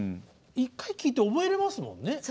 １回聴いて覚えれますもんね。